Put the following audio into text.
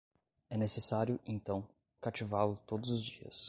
É necessário, então, cativá-lo todos os dias.